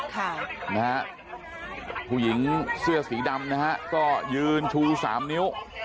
ค่ะนะฮะผู้หญิงเสื้อสีดำนะฮะก็ยืนชูสามนิ้ว